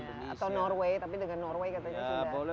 atau norway tapi dengan norway katanya sudah